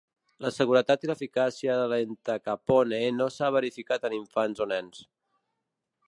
La seguretat i eficàcia de l'Entacapone no s'ha verificat en infants o nens.